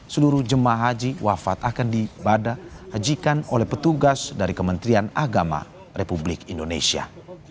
seluruh jemaah haji wafat akan diibadah hajikan oleh petugas dari kementerian agama republik indonesia